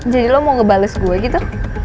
lo mau ngebales gue gitu